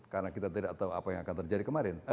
karena kita tidak tahu apa yang akan terjadi kemarin